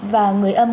và người âm